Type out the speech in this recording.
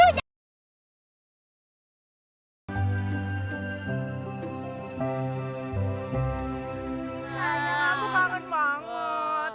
aku kangen banget